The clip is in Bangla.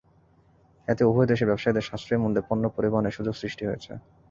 এতে উভয় দেশের ব্যবসায়ীদের সাশ্রয়ী মূল্যে পণ্য পরিবহনের সুযোগ সৃষ্টি হয়েছে।